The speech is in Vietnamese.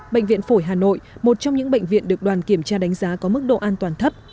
bệnh viện phổi hà nội một trong những bệnh viện được đoàn kiểm tra đánh giá có mức độ an toàn thấp